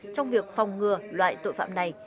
trong việc phòng ngừa loại tội phạm này